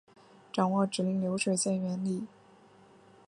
掌握指令流水线原理